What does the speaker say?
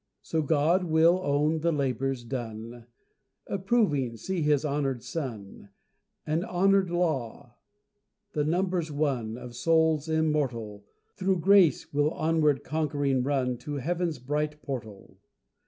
So God will own the labours done, Approving see His honoured Son, And honoured Law; and numbers won Of souls immortal, Through grace, will onward conquering run To heaven's bright portal.